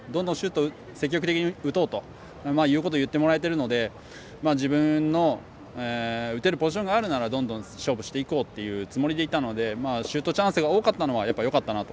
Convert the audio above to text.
シュート積極的に打とうということ言ってもらえているので自分の打てるポジションがあるなら、どんどん勝負していこうと思っていたのでシュートチャンスが多かったのはよかったなと。